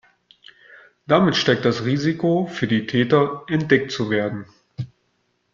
Damit steigt das Risiko für die Täter, entdeckt zu werden.